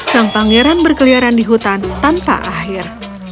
sang pangeran berkeliaran di hutan tanpa akhir